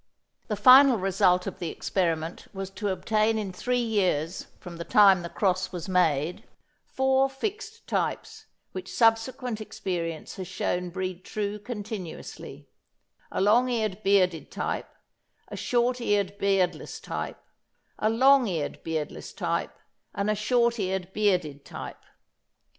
The final result of the experiment was to obtain in three years from the time the cross was made, four fixed types which subsequent experience has shown breed true continuously, a long eared bearded type, a short eared beardless type, a long eared beardless type and a short eared bearded type.